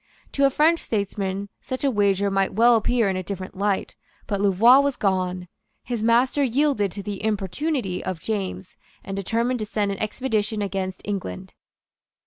To a French statesman such a wager might well appear in a different light. But Louvois was gone. His master yielded to the importunity of James, and determined to send an expedition against England.